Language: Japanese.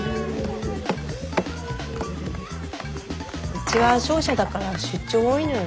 うちは商社だから出張多いのよね。